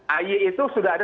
ay itu sudah ada